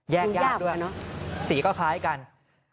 แยกด้วยสีก็คล้ายกันดูหยาบกว่าเนอะ